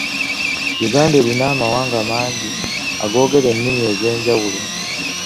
Uganda erina amawanga mangi agoogera ennimi ez'enjawulo.